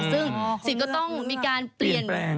ซึ่งสิ๊กก็ต้องมีการเปลี่ยนเปลี่ยนแบรนด์